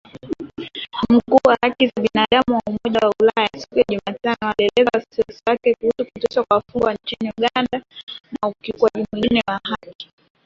Mkuu wa haki za binadamu wa Umoja wa Ulaya, siku ya Jumatano, alielezea wasiwasi wake kuhusu kuteswa kwa wafungwa nchini Uganda na ukiukwaji mwingine wa haki